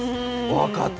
分かった。